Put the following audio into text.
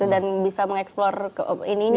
dan bisa mengeksplore ke ininya